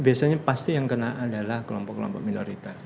biasanya pasti yang kena adalah kelompok kelompok minoritas